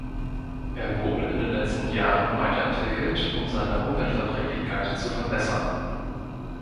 Er wurde in den letzten Jahren weiterentwickelt, um seine Umweltverträglichkeit zu verbessern.